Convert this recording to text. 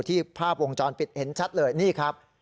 ภาพวงจรปิดเห็นชัดเลยนี่ครับ